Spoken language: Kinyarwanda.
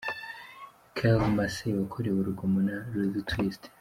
Kyle Massey wakorewe urugomo na Lil Twist.